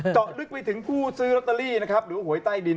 ต่อลึกไปถึงคู่ซื้อล็อตเตอรี่หรือหวยใต้ดิน